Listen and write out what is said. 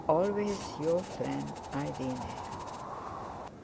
"Always your friend, "IRENE."